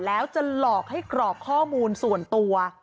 แล้วจะหลอกให้กรอกข้อมูลส่วนตัว